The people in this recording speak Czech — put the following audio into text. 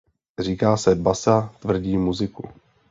Říká se „basa tvrdí muziku“.